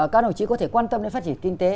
các đồng chí có thể quan tâm đến phát triển kinh tế